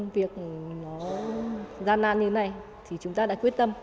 việc nó gian nan như thế này thì chúng ta đã quyết tâm